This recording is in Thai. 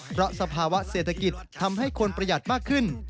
เพราะสภาวะเศรษฐกิจทำให้คนประหยัดมากขึ้น